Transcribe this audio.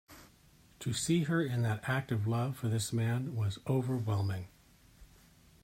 To see her in that act of love for this man was overwhelming.